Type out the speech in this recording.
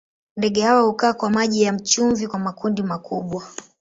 Ndege hawa hukaa kwa maji ya chumvi kwa makundi makubwa.